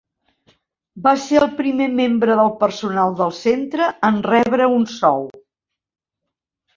Va ser el primer membre del personal del centre en rebre un sou.